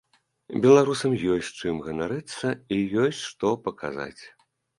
Беларусам ёсць чым ганарыцца і ёсць што паказаць.